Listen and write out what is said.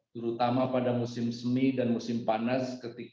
terutama pada musim semi dan musim panas